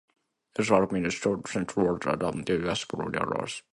Its administrative centre was Yevpatoria.